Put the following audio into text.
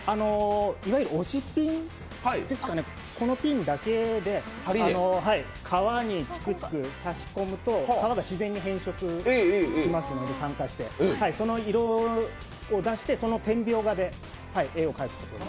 いわゆる押しピンこのピンだけで皮にチクチク差し込むと、皮が酸化して自然に変色するのでその色を出して、その点描画で絵を描くというもの。